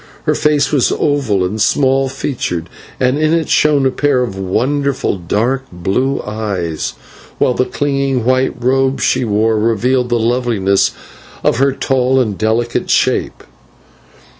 Her face was oval and small featured, and in it shone a pair of wonderful dark blue eyes, while the clinging white robe she wore revealed the loveliness of her tall and delicate shape.